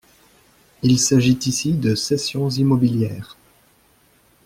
Il s’agit ici des cessions immobilières.